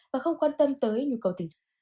và không quan tâm tới nhu cầu tính dục